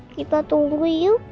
kita tunggu yuk